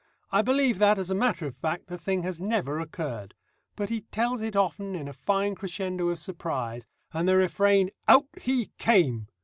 I believe that, as a matter of fact, the thing has never occurred, but he tells it often in a fine crescendo of surprise, and the refrain, "Out HE came."